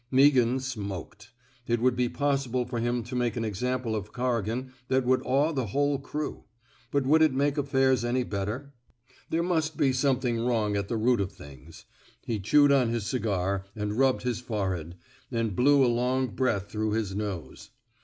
Meaghan smoked. It would be possible for him to make an example of Corrigan that would awe the whole crew; but would it make affairs any better! There must be 249 THE SMOKE EATEES something wrong at the root of things. •.. He chewed on his cigar, and rubbed his fore head, and blew a long breath through his nose.